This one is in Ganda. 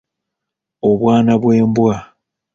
Obwana bw’embwa.